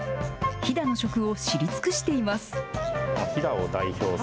飛騨の食を知り尽くしています。